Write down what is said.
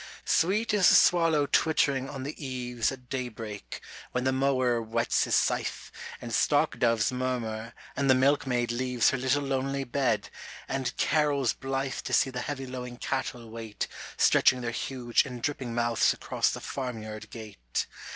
Sweet is the swallow twittering on the eaves At daybreak, when the mower whets his scythe, And stock doves murmur, and the milkmaid leaves Her little lonely bed, and carols blithe To see the heavy lowing cattle wait Stretching their huge and dripping mouths across the farmyard gate.